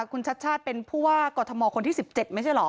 คุณชัดชาติเป็นผู้ว่ากอทมคนที่๑๗ไม่ใช่เหรอ